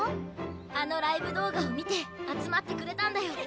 あのライブ動画を見て集まってくれたんだよ。